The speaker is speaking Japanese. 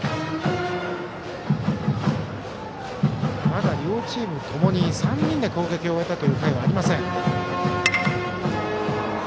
まだ両チームともに３人で攻撃を終えた回はありません。